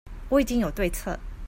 我已經有對策